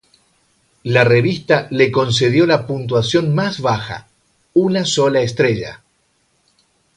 La revista le concedió la puntuación más baja: una sola estrella.